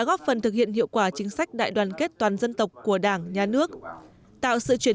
góp phần thực hiện hiệu quả chính sách đại đoàn kết toàn dân tộc của đảng nhà nước tạo sự chuyển